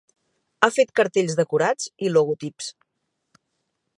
Ha fet cartells decorats i logotips.